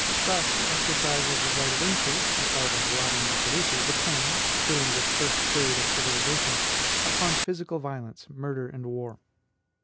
Thus, the exercise of the right of increase, the art of robbing the producer, depends during this first period of civilization upon physical violence, murder, and war.